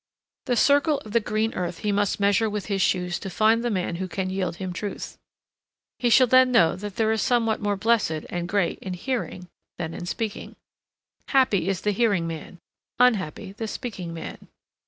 The circle of the green earth he must measure with his shoes to find the man who can yield him truth. He shall then know that there is somewhat more blessed and great in hearing than in speaking. Happy is the hearing man; unhappy the speaking man.